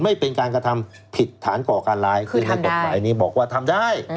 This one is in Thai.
ไม่เป็นการกระทำผิดฐานก่อการร้ายขึ้นในกฎหมายนี้บอกว่าทำได้